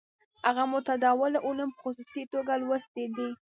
هغه متداوله علوم په خصوصي توګه لوستي دي.